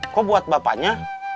kok buat bapaknya